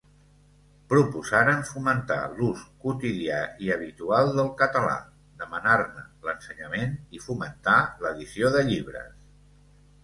Proposaren fomentar l'ús quotidià i habitual del català, demanar-ne l'ensenyament i fomentar l'edició de llibres.